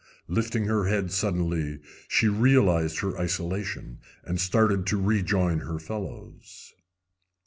Lifting her head suddenly, she realized her isolation, and started to rejoin her fellows.